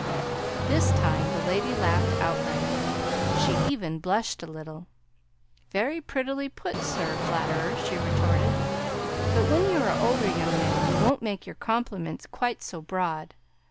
This time the lady laughed outright. She even blushed a little. "Very prettily put, Sir Flatterer" she retorted; "but when you are older, young man, you won't make your compliments quite so broad.